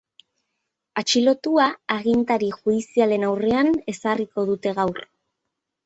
Atxilotua agintari judizialaren aurrean ezarriko dute gaur.